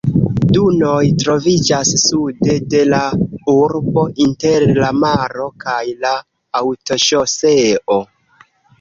Dunoj troviĝas sude de la urbo, inter la maro kaj la aŭtoŝoseo.